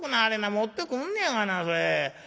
持ってくんねやがなそれ。